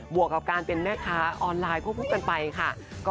วกกับการเป็นแม่ค้าออนไลน์ควบคู่กันไปค่ะ